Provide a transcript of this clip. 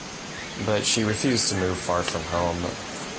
But she refused to move far from home.